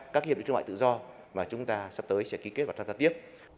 các hiệp định thương mại tự do